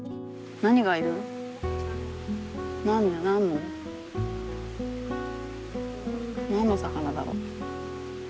何の魚だろう？